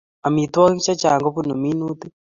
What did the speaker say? Amitwogik chechang kobunu minutik